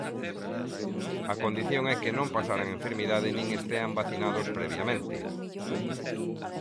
A condición é que non pasaran a enfermidade nin estean vacinados previamente.